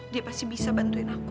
dia pasti bisa bantuin aku